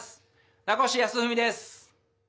名越康文です。